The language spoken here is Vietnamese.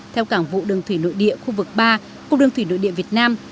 theo cảng vụ đường thủy nội địa khu vực ba cục đường thủy nội địa việt nam